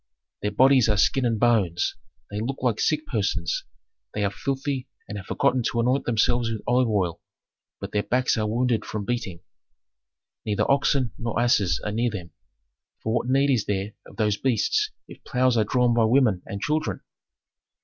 "Their bodies are skin and bones, they look like sick persons, they are filthy and have forgotten to anoint themselves with olive oil, but their backs are wounded from beating. "Neither oxen nor asses are near them, for what need is there of those beasts if ploughs are drawn by women and children?